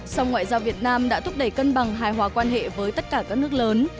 song ngoại giao việt nam đã thúc đẩy cân bằng hài hòa quan hệ với tất cả các nước lớn